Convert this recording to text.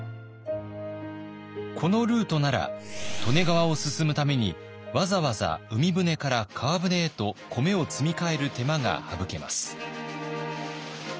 このルートなら利根川を進むためにわざわざ海船から川船へと米を積み替える手間が省けます。